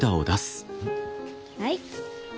はい。